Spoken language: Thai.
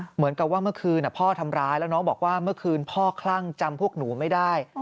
เหมือนกับว่าเมื่อคืนพ่อทำร้ายแล้วน้องบอกว่าเมื่อคืนพ่อคลั่งจำพวกหนูไม่ได้